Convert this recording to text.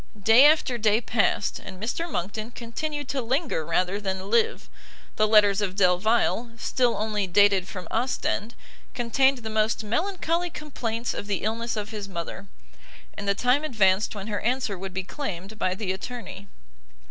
Day after day passed, and Mr Monckton continued to linger rather than live; the letters of Delvile, still only dated from Ostend, contained the most melancholy complaints of the illness of his mother; and the time advanced when her answer would be claimed by the attorney.